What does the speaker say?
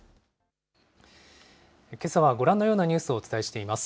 けさはご覧のようなニュースをお伝えしています。